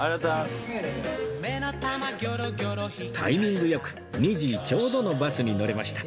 タイミングよく２時ちょうどのバスに乗れました